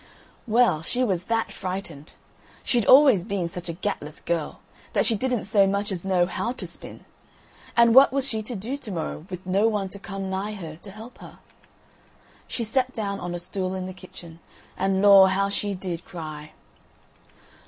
Well, she was that frightened, she'd always been such a gatless girl, that she didn't so much as know how to spin, and what was she to do to morrow with no one to come nigh her to help her? She sat down on a stool in the kitchen, and law! how she did cry!